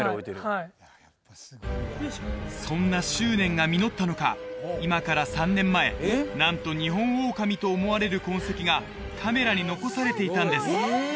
はいはいそんな執念が実ったのか今から３年前なんとニホンオオカミと思われる痕跡がカメラに残されていたんです